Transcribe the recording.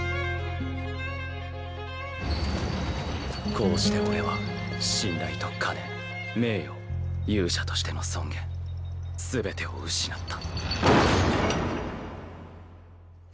こうして俺は信頼と金名誉勇者としての尊厳全てを失った。